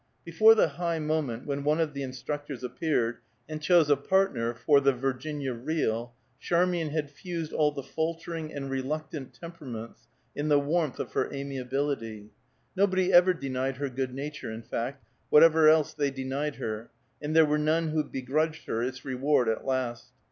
Before the high moment when one of the instructors appeared, and chose a partner fur the Virginia Reel, Charmian had fused all the faltering and reluctant temperaments in the warmth of her amiability. Nobody ever denied her good nature, in fact, whatever else they denied her, and there were none who begrudged her its reward at last.